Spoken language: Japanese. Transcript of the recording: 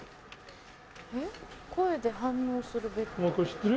えっ声で反応するベッド。